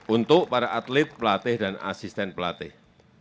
untuk para atlet pelatih dan asisten pelatih